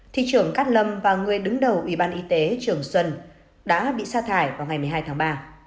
thị trưởng cát lâm và người đứng đầu ủy ban y tế trường xuân đã bị xa thải vào ngày một mươi hai tháng ba